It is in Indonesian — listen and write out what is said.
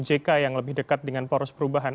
jk yang lebih dekat dengan poros perubahan